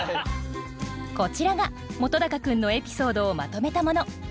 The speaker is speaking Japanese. こちらが本君のエピソードをまとめたもの。